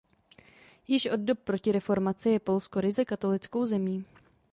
Již od dob protireformace je Polsko ryze katolickou zemí.